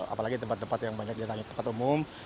apalagi tempat tempat yang banyak didatangi tempat umum